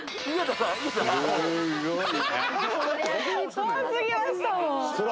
怖すぎましたもんそら